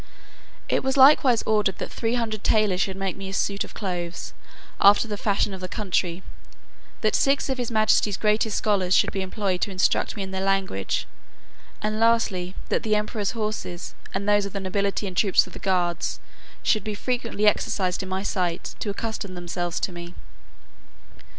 It was likewise ordered, that three hundred tailors should make me a suit of clothes, after the fashion of the country; that six of his majesty's greatest scholars should be employed to instruct me in their language; and lastly, that the emperor's horses, and those of the nobility and troops of guards, should be frequently exercised in my sight, to accustom themselves to me.